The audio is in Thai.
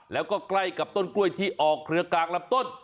แล้วก็ใกล้กับต้นกล้วยที่ออกเครือกลางลำต้น